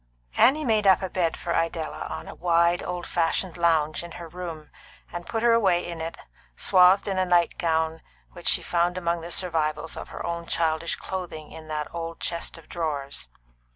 Annie made up a bed for Idella on a wide, old fashioned lounge in her room, and put her away in it, swathed in a night gown which she found among the survivals of her own childish clothing in that old chest of drawers.